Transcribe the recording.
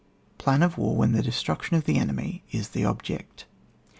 PLAN OF WAE WHEN THE DESTRUCTION OF THE ENEMY IS THE OBJECT.